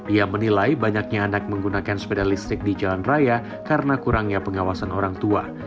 ia menilai banyaknya anak menggunakan sepeda listrik di jalan raya karena kurangnya pengawasan orang tua